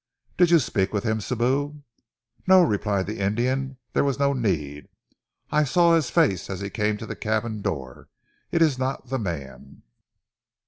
"Did you speak with him, Sibou?" "No," replied the Indian. "There was no need. I saw his face as he came to the cabin door. It is not the man."